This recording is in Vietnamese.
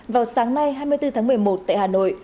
vào sáng nay hai mươi bốn tháng một mươi một tại hà nội